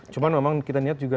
cuman memang kita niat juga